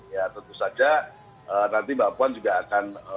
ya tentu saja nanti mbak puan juga akan